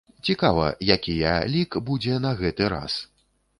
Цікава, якія лік будзе на гэты раз.